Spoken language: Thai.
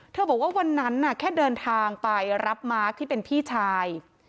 บอกว่าวันนั้นแค่เดินทางไปรับมาร์คที่เป็นพี่ชาย